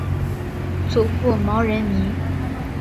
祖父毛仁民。